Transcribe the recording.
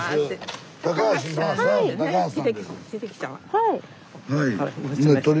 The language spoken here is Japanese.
はい。